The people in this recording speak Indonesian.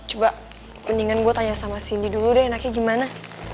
coba mendingan gue tanya sama cindy dulu deh enaknya gimana